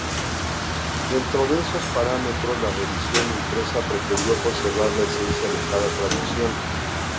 Dentro de esos parámetros, la revisión impresa pretendió conservar la esencia de cada traducción.